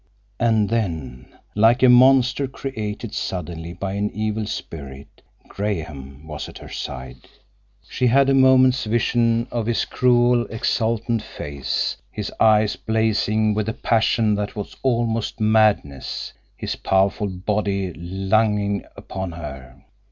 And then, like a monster created suddenly by an evil spirit, Graham was at her side. She had a moment's vision of his cruel, exultant face, his eyes blazing with a passion that was almost madness, his powerful body lunging upon her.